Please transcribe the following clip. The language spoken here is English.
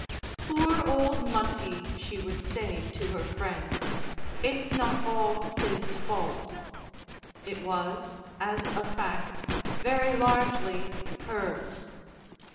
"Poor old Munty," she would say to her friends, "it's not all his fault " It was, as a fact, very largely hers.